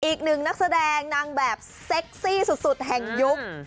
อีกหนึ่งนักแสดงนางแบบเซ็กซี่สุดแห่งยุค